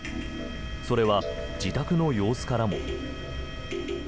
それは自宅の様子からも。